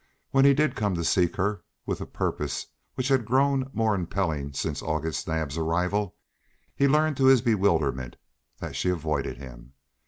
When he did come to seek her, with a purpose which had grown more impelling since August Naab's arrival, he learned to his bewilderment that she avoided him.